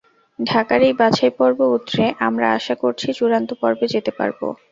ঢাকার এই বাছাইপর্ব উতরে আমরা আশা করছি চূড়ান্ত পর্বে যেতে পারব।